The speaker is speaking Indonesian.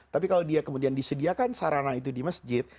tapi kalau dia kemudian disediakan sarana itu di masjid